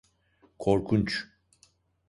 Korkunç.